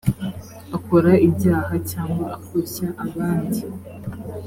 akora ibyaha cyangwa akoshya abandi